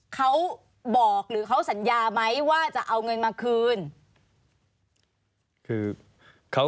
เขาบอกหรือเขาสัญญาไหม